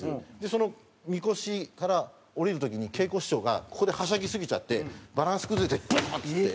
そのみこしから降りる時に桂子師匠がここではしゃぎすぎちゃってバランス崩れてボーン！っつって。